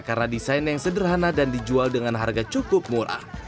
karena desain yang sederhana dan dijual dengan harga cukup murah